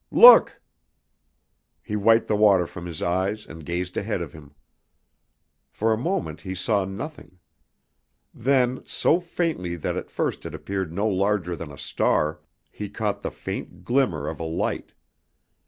"Look!" He wiped the water from his eyes and gazed ahead of him. For a moment he saw nothing. Then, so faintly that at first it appeared no larger than a star, he caught the faint glimmer of a light.